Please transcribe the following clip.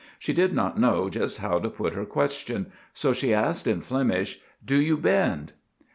She did not know just how to put her question, so she asked, in Flemish, "Do you bend?"